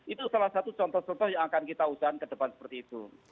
itu salah satu contoh contoh yang akan kita usahakan ke depan seperti itu